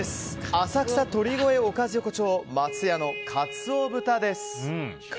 浅草鳥越おかず横丁松屋の鰹豚です。